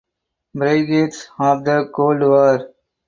Frigates of the Cold War